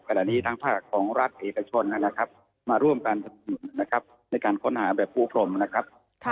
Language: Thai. แต่ละนี้ทั้งภาคของรัฐอิสชนนะครับมาร่วมกันในการค้นหาแบบภูพรมนะครับ